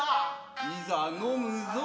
いざ呑むぞ。